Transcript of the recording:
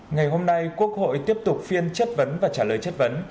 ngày hôm nay quốc hội tiếp tục phiên chất vấn và trả lời chất vấn